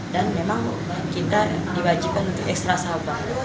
dan memang kita diwajibkan untuk ekstra sabar